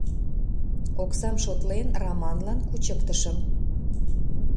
Оксам шотлен, Раманлан кучыктышым.